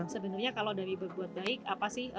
sebenarnya kalau dari berbuat baik